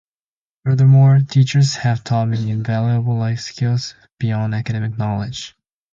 Furthermore, teachers have taught me invaluable life skills beyond academic knowledge.